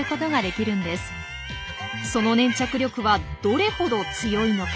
その粘着力はどれほど強いのか？